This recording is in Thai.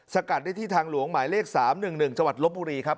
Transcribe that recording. กัดได้ที่ทางหลวงหมายเลข๓๑๑จังหวัดลบบุรีครับ